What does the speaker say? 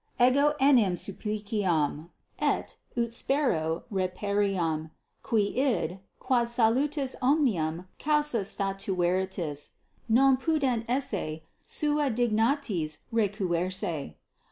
Ego enim suscipiam, et, ut spero, reperiam, qui id, quod salutis 8 omnium causa statueritis, non putent esse suae dignitatis recusare.